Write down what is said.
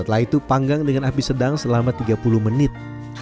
setelah itu panggang dengan api sedang selama tiga puluh menit